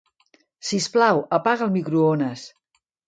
Sisplau, apaga el microones.